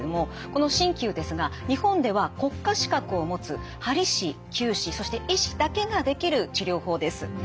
この鍼灸ですが日本では国家資格を持つはり師きゅう師そして医師だけができる治療法です。